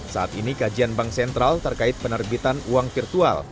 saat ini kajian bank sentral terkait penerbitan uang virtual